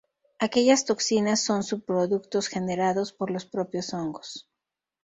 Aquellas toxinas son subproductos generados por los propios hongos.